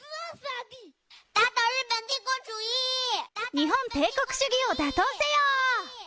日本帝国主義を打倒せよ。